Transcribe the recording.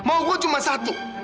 aku cuma mau satu